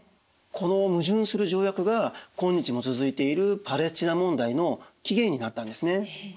この矛盾する条約が今日も続いているパレスティナ問題の起源になったんですね。